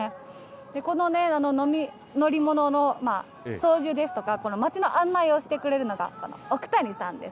この乗り物の操縦ですとか、この街の案内をしてくれるのが、奥谷さんです。